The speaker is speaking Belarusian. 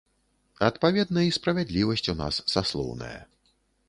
Адпаведна, і справядлівасць у нас саслоўная.